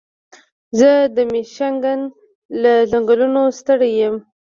زه د مېشیګن له ځنګلونو ستړی یم.